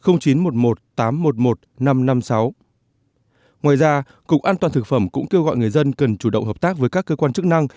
ngoài ra cục an toàn thực phẩm cũng kêu gọi người dân cần chủ động hợp tác với các cơ quan chức năng